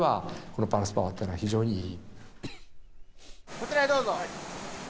こちらへどうぞ。